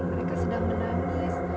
mereka sedang menangis